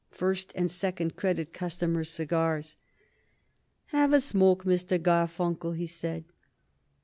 first and second credit customers' cigars. "Have a smoke, Mr. Garfunkel," he said.